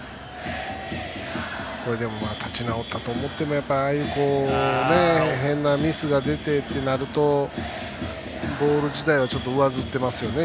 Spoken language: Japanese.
立ち直ったと思ってもやっぱりああいう変なミスが出てってなるとボール自体はちょっと上ずっていますよね